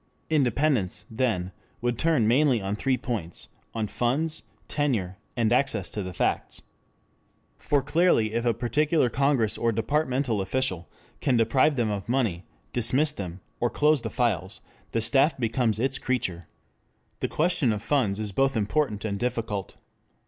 Independence, then, would turn mainly on three points on funds, tenure, and access to the facts. For clearly if a particular Congress or departmental official can deprive them of money, dismiss them, or close the files, the staff becomes its creature. 4 The question of funds is both important and difficult.